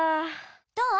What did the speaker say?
どう？